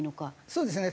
そうですね。